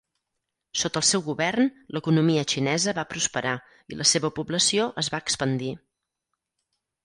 Sota el seu govern, l’economia xinesa va prosperar i la seva població es va expandir.